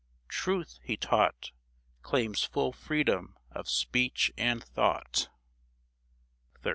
Truth, he taught, Claims full freedom of speech and thought. XIII.